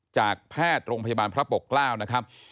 จากแพทย์โรงพยาบาลพระปกเกล้านะครับ